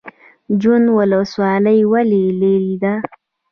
جوند ولسوالۍ ولې لیرې ده؟